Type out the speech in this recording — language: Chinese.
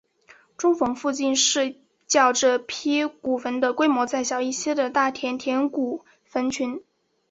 古坟附近是较这批古坟的规模再小一些的大野田古坟群。